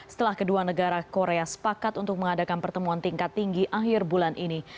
setelah kedua negara korea sepakat untuk mengadakan pertemuan tingkat tinggi akhir bulan ini